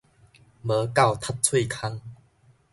無夠窒喙空